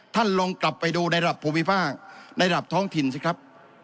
ท่านลองกลับไปดูในระดับภูมิภาคในระดับท้องถิ่นสิครับ